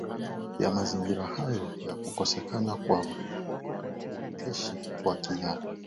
ya mazingira hayo ya kukosekana kwa uteshi wa kisiasa